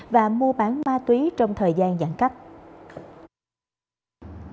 và mua bán ma túy trong thời gian giãn cách